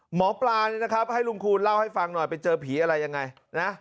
หมอปลาเนี่ยนะครับให้ลุงคูณเล่าให้ฟังหน่อยไปเจอผีอะไรยังไงนะ